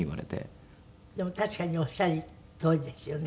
でも確かにおっしゃるとおりですよね。